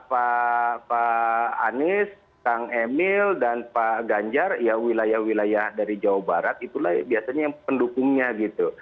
pak anies kang emil dan pak ganjar ya wilayah wilayah dari jawa barat itulah biasanya yang pendukungnya gitu